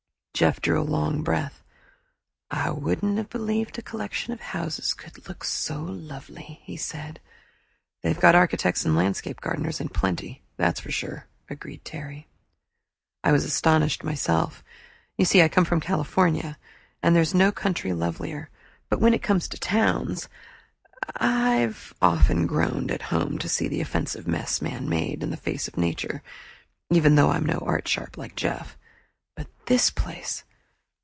Jeff drew a long breath. "I wouldn't have believed a collection of houses could look so lovely," he said. "They've got architects and landscape gardeners in plenty, that's sure," agreed Terry. I was astonished myself. You see, I come from California, and there's no country lovelier, but when it comes to towns ! I have often groaned at home to see the offensive mess man made in the face of nature, even though I'm no art sharp, like Jeff. But this place!